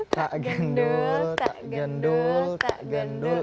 tak gendul tak gendul tak gendul